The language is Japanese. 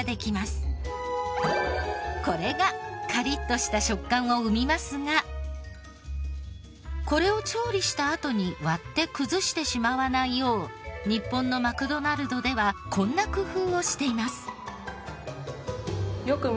これがカリッとした食感を生みますがこれを調理したあとに割って崩してしまわないよう日本のマクドナルドではこんな工夫をしています。